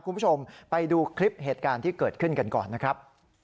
คุณผู้ชมไปดูคลิปเหตุการณ์ที่เกิดขึ้นกันก่อนนะครับ